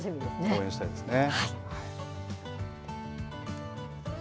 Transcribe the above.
応援したいですね。